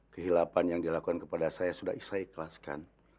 kehilapan yang dia lakukan kepada saya sudah saya ikhlaskan